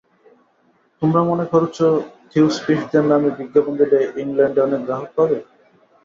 তোমরা মনে করছ, থিওসফিষ্টদের নামে বিজ্ঞাপন দিলে ইংলণ্ডে অনেক গ্রাহক পাবে।